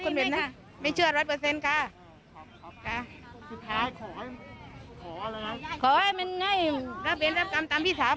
ขอให้เขาเชื่อดชัยใดกับพลาสพี่สาว